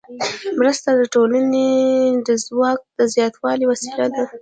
مرسته د ټولنې د ځواک د زیاتوالي وسیله ده.